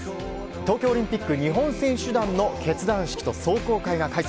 東京オリンピック日本代表選手団の結団式と壮行会が開催。